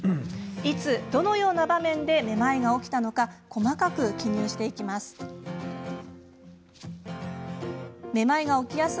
いつ、どのような場面でめまいが起きたのか細かく記入していきます。